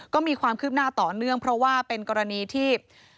ก็มีความคืบหน้าต่อเนื่องเพราะว่าเป็นกรณีที่